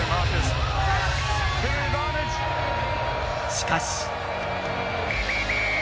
しかし。